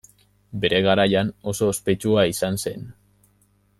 Bere garaian oso ospetsua izan zen.